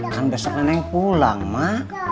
kan besok nenek pulang mak